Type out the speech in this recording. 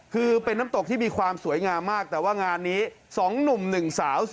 คือเป็นน้ำตกที่มีความสวยงามมากแต่ว่างานนี้๒หนุ่ม๑สาว